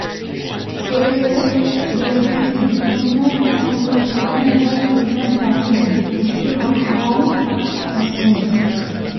They were docile animals and would even follow children passively to or from pastures.